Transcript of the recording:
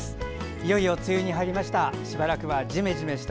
いよいよ梅雨に入りました。